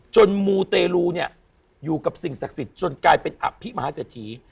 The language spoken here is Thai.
มูเตลูเนี่ยอยู่กับสิ่งศักดิ์สิทธิ์จนกลายเป็นอภิมหาเศรษฐี